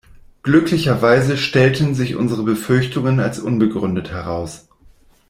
Glücklicherweise stellten sich unsere Befürchtungen als unbegründet heraus.